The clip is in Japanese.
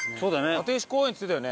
立石公園っつってたよね。